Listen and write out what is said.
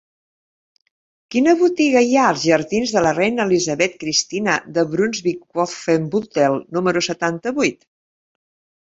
Quina botiga hi ha als jardins de la Reina Elisabeth Cristina de Brunsvic-Wolfenbüttel número setanta-vuit?